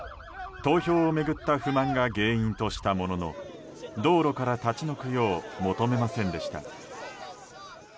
投票を巡った不満が原因としたものの道路から立ち退くよう求めませんでした。